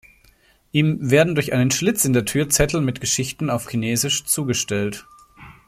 Ihm werden durch einen Schlitz in der Tür Zettel mit Geschichten auf Chinesisch zugestellt.